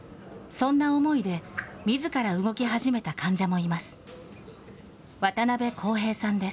そんな思いで、みずから動き始めた患者もいます。